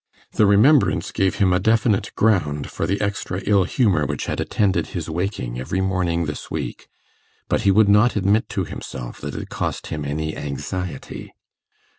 The remembrance gave him a definite ground for the extra ill humour which had attended his waking every morning this week, but he would not admit to himself that it cost him any anxiety.